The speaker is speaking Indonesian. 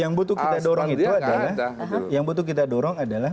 yang butuh kita dorong itu adalah yang butuh kita dorong adalah